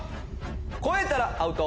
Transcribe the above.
超えたらアウト！